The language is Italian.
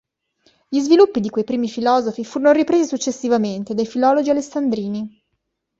Gli sviluppi di quei primi filosofi furono ripresi successivamente dai filologi alessandrini.